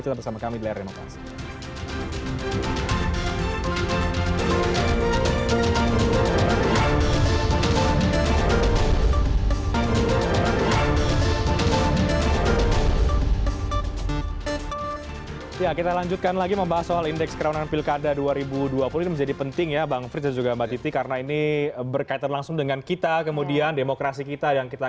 sampai bersama kami di layar remotansi